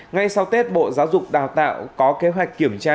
ngay sau tết bộ giáo dục đào tạo có kế hoạch kiểm tra